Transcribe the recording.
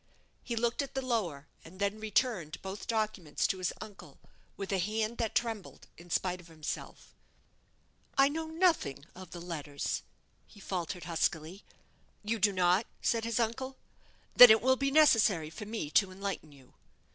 He looked at the lower, and then returned both documents to his uncle, with a hand that trembled in spite of himself. "I know nothing of the letters," he faltered, huskily. "You do not!" said his uncle; "then it will be necessary for me to enlighten you."